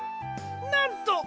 なんと！